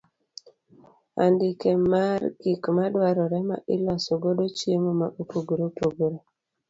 Andike mar gik ma dwarore ma iloso godo chiemo ma opogore opogore.